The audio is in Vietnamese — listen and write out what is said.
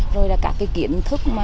rồi là cả cái kiến thức